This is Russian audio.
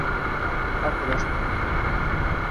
Как и ваш брат.